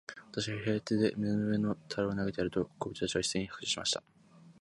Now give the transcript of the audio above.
私が左手で胸の上の樽を投げてやると、小人たちは一せいに拍手しました。